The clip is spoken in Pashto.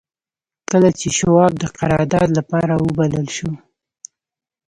کله چې شواب د قرارداد لپاره وبلل شو.